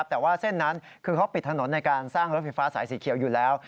แต่ว่าเส้นนั้นคือเขาปิดถนนในการสร้างรถไฟฟ้าสายสีเขียวอยู่แล้ว